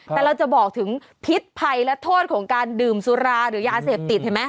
แต่เราจะบอกถึงพิษภัยและโทษของการดื่มสุราหรือยาเสพติดเห็นไหม